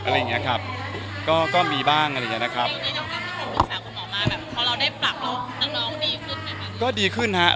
พี่น้องอุตส่าห์ของหมอมาพอเราได้ปรับน้องดีขึ้นไหมครับ